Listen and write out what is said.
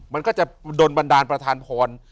มันก็จะโดนบันดาลประธานพร